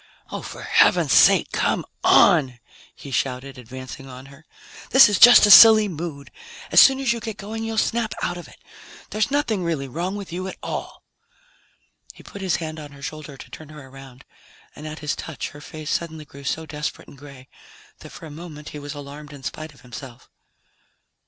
"Oh, for heaven's sake, come on!" he shouted, advancing on her. "This is just a silly mood. As soon as you get going, you'll snap out of it. There's nothing really wrong with you at all." He put his hand on her shoulder to turn her around, and at his touch her face suddenly grew so desperate and gray that for a moment he was alarmed in spite of himself.